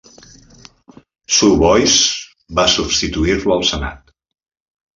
Sue Boyce va substituir-lo al senat.